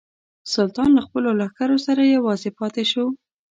سلطان له خپلو لښکرو سره یوازې پاته شو.